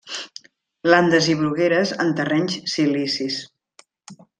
Landes i brugueres en terrenys silicis.